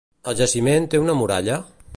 El jaciment té una muralla?